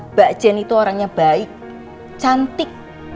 mbak jen itu orangnya baik cantik